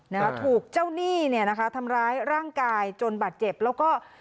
นะคะถูกเจ้าหนี้เนี่ยนะคะทำร้ายร่างกายจนบาดเจ็บแล้วก็